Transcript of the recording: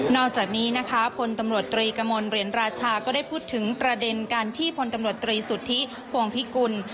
นอกจากนี้นะคะพลตรกเรียนราชาก็ได้พูดถึงประเด็นคะที่พลตรสุธิพวงพิกุล